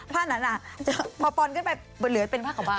ผ้านั้นพอปอนขึ้นไปบนเหลือเป็นผ้าขาวบ้า